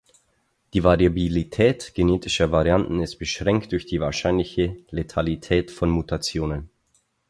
Die Variabilität genetischer Varianten ist beschränkt durch die wahrscheinliche letalität von Mutationen.